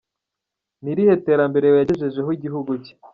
Ni irihe terambere yagejejeho igihugu cye?